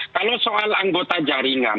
kalau soal anggota jaringan